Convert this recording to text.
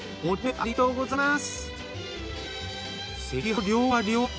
ありがとうございます。